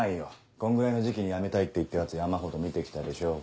こんぐらいの時期に辞めたいって言ったヤツ山ほど見て来たでしょ。